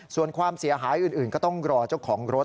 ส่วนความเสียหายอื่นก็ต้องรอเจ้าของรถ